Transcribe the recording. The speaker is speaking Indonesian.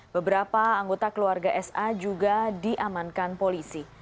beberapa anggota keluarga sa juga diamankan polisi